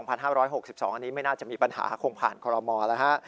อันนี้ไม่น่าจะมีปัญหาคงผ่านคอรมอลแล้วฮะ